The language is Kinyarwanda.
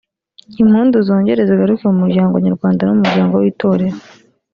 impundu zongere zigaruke mu muryango nyarwanda no mu muryango w’Itorero